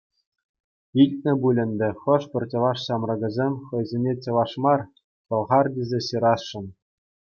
Илтнӗ пуль ӗнтӗ, хӑшпӗр чӑваш ҫамрӑкӗсем хӑйсене чӑваш мар, пӑлхар тесе те ҫырасшӑн.